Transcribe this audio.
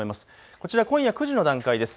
こちら今夜９時の段階です。